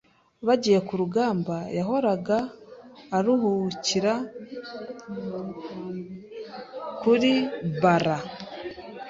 bagiye ku rugamba yahoraga aruhukira kuri Barra